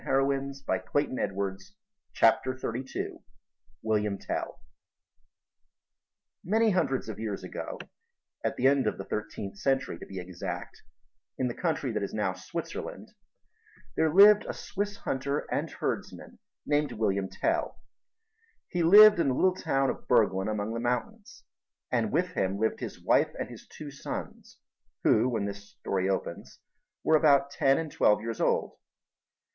HEROES OF FICTION CHAPTER XXXII WILLIAM TELL Many hundreds of years ago, at the end of the Thirteenth Century to be exact, in the country that is now Switzerland, there lived a Swiss hunter and herdsman named William Tell. He lived in the little town of Burglen among the mountains, and with him lived his wife and his two sons, who, when this story opens, were about ten and twelve years old.